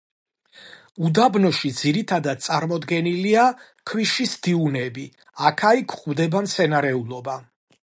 უდაბნოში ძირითადად წარმოდგენილია ქვიშის დიუნები, აქა-იქ გვხვდება მცენარეულობა.